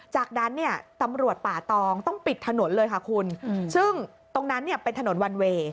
จากนั้นเนี่ยตำรวจป่าตองต้องปิดถนนเลยค่ะคุณซึ่งตรงนั้นเนี่ยเป็นถนนวันเวย์